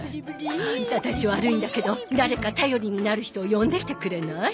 アンタたち悪いんだけど誰か頼りになる人を呼んできてくれない？